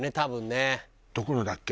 どこのだっけ？